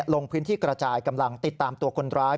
ลงพื้นที่กระจายกำลังติดตามตัวคนร้าย